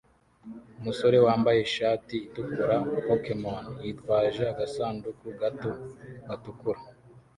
umusore wambaye ishati itukura Pokemon yitwaje agasanduku gato gatukura